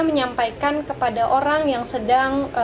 menyampaikan kepada orang yang sedang